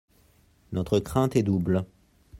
Notre crainte est double.